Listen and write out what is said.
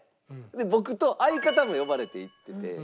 僕と相方も呼ばれて行ってて。